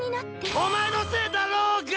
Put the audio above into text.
お前のせいだろうがっ！